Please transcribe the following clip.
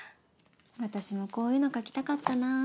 私もこういうの書きたかったなあ。